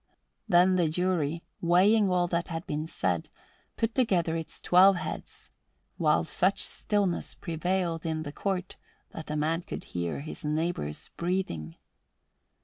Then the jury, weighing all that had been said, put together its twelve heads, while such stillness prevailed in the court that a man could hear his neighbor's breathing.